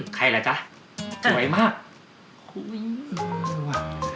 ใครเหรอจ๊ะสวยมากโอ้ย